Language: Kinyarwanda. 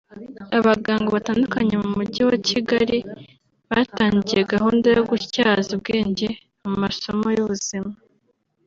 Abaganga batandukanye mu Mujyi wa Kigali batangiye gahunda yo gutyaza ubwenge mu masomo y’ubuzima